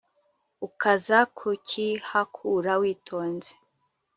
ukaza kukihakura witonze